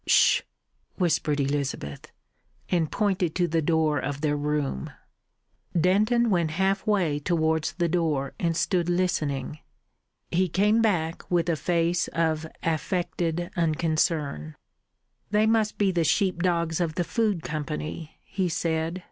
"Ssh!" whispered Elizabeth, and pointed to the door of their room. Denton went half way towards the door, and stood listening. He came back with a face of affected unconcern. "They must be the sheep dogs of the Food Company," he said.